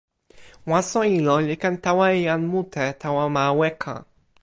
waso ilo li ken tawa e jan mute tawa ma weka.